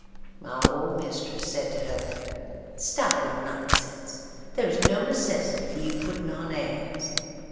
My old mistress said to her: "Stop your nonsense; there is no necessity for you putting on airs.